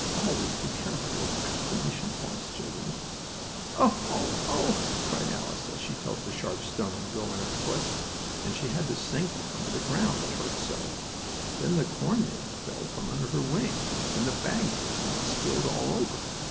Always be careful of exclamation points, children. "Oh! Oh! Oh!" cried Alice, as she felt the sharp stone go in her foot, and she had to sink down to the ground, it hurt her so. Then the cornmeal fell from under her wing and the bag burst and it spilled all over.